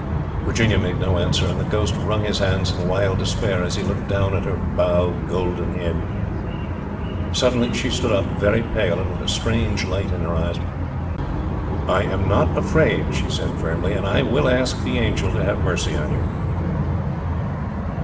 Virginia made no answer, and the ghost wrung his hands in wild despair as he looked down at her bowed golden head. Suddenly she stood up, very pale, and with a strange light in her eyes. "I am not afraid," she said firmly, "and I will ask the angel to have mercy on you."